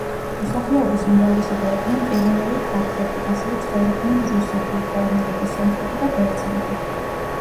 მოსახლეობის უმრავლესობა იყვნენ ყირიმელი თათრები, ასევე ცხოვრობდნენ რუსები, უკრაინელები, სომხები და ბერძნები.